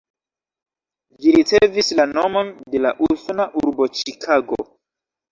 Ĝi ricevis la nomon de la usona urbo Ĉikago.